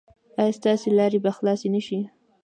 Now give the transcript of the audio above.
ایا ستاسو لارې به خلاصې نه شي؟